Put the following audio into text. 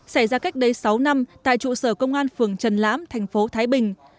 xảy ra cách đây sáu năm tại trụ sở công an phường trần lãm tp thái bình